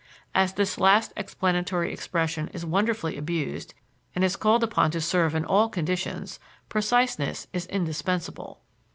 As this last explanatory expression is wonderfully abused, and is called upon to serve in all conditions, preciseness is indispensable.